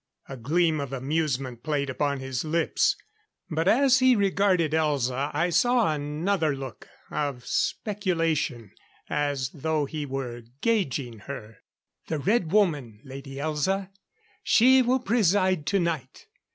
A gleam of amusement played upon his lips; but as he regarded Elza, I saw another look of speculation, as though he were gauging her. "The Red Woman, Lady Elza. She will preside tonight.